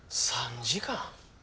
３時間！？